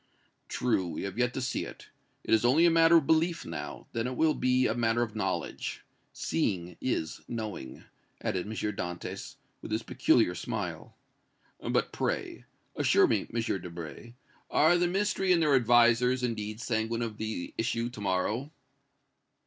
"True, we have yet to see it. It is only a matter of belief now; then it will be a matter of knowledge. Seeing is knowing," added M. Dantès, with his peculiar smile. "But, pray, assure me, M. Debray, are the Ministry and their advisers, indeed, sanguine of the issue to morrow!"